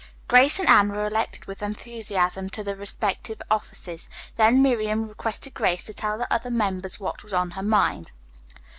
Grace and Anne were elected with enthusiasm to the respective offices, then Miriam requested Grace to tell the other members what was on her mind.